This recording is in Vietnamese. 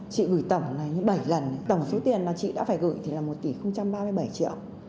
chị gửi tổng là bảy lần tổng số tiền là chị đã phải gửi thì là một tỷ ba mươi bảy triệu